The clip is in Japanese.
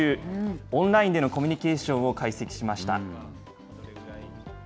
オンラインでのコミュニケーションを解析しました。